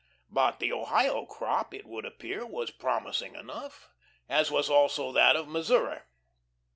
But the Ohio crop, it would appear, was promising enough, as was also that of Missouri.